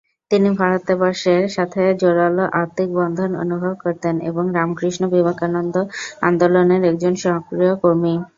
তিনি ভারত বর্ষের সাথে জোরালো আত্মিক বন্ধন অনুভব করতেন এবং রামকৃষ্ণ-বিবেকানন্দ আন্দোলনের একজন সক্রিয় কর্মী।